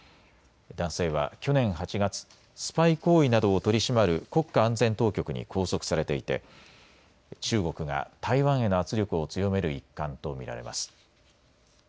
男性は去年８月、スパイ行為などを取り締まる国家安全当局に拘束されていて中国が台湾への圧力を強める一環と見られます。